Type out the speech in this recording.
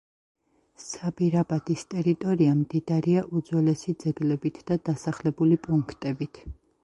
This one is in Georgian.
საბირაბადის ტერიტორია მდიდარია უძველესი ძეგლებით და დასახლებული პუნქტებით.